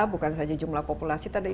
bukan saja jumlah populasi tapi